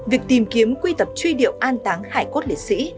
việc tìm kiếm quy tập truy điệu an táng hải cốt lễ sĩ